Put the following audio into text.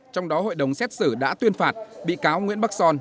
trong đó hội đồng xét xử đã tuyên phạt bị cáo nguyễn bắc son